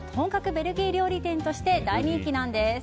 ベルギー料理店として大人気なんです。